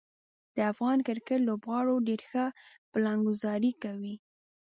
د افغان کرکټ لوبغاړو ډیر ښه پلانګذاري کوي.